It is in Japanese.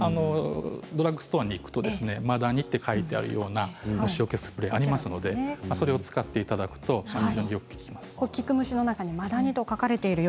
ドラッグストアに行くとマダニと書いてある虫よけスプレーがありますのでそれを使っていただくとよく効きます。